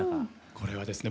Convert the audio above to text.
これはですね